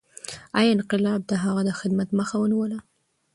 ایا انقلاب د هغه د خدمت مخه ونیوله؟